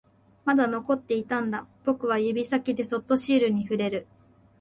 まだ残っていたんだ、僕は指先でそっとシールに触れる